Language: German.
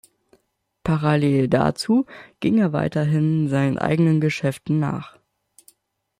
Parallel dazu ging er weiterhin seinen eigenen Geschäften nach.